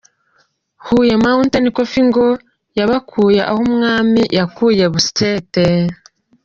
Huye Mountain Coffee ngo yabakuye aho umwami yakuye Busyete.